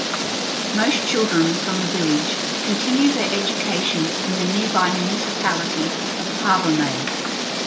Most children from the village continue their education in the nearby Municipality of Parvomay.